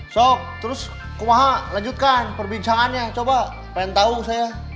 sok terus kumaha lanjutkan perbincangannya coba pengen tahu saya